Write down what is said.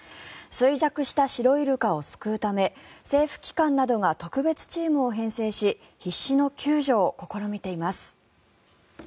衰弱したシロイルカを救うため政府機関などが特別チームを編成し必死の救助を試みています。